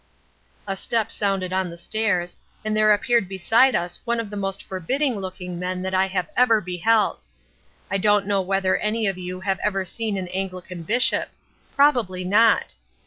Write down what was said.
"A step sounded on the stairs, and there appeared beside us one of the most forbidding looking men that I have ever beheld. I don't know whether any of you have ever seen an Anglican Bishop. Probably not.